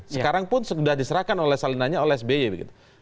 sekarang pun sudah diserahkan oleh salinannya oleh sby begitu